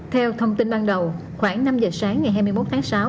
theo thông tin ban đầu khoảng năm giờ sáng ngày hai mươi một tháng sáu